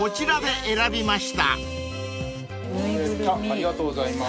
ありがとうございます。